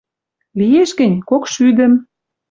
Лиэш гӹнь — кокшӱдӹм.